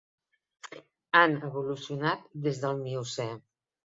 Han evolucionat des del Miocè.